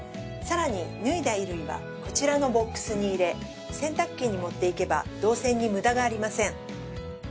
更に脱いだ衣類はこちらのボックスに入れ洗濯機に持っていけば動線に無駄がありません。